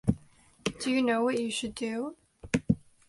Do you know what you should do.